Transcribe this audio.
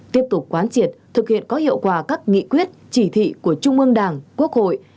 tiếp tục quán triệt thực hiện có hiệu quả các nghị quyết chỉ thị của trung ương đảng quốc hội